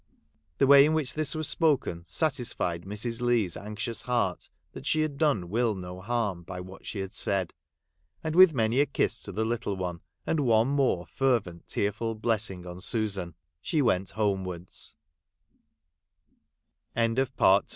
The way in which this was spoken satisfied Mrs. Leigh's anxious heart that she had done Will no harm by what she had said ; and with many a kiss to the little one, and one more fervent tearful blessing on Susa